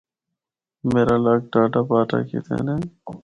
میرا لکھ ڈاہڈا باٹا کیتا نے۔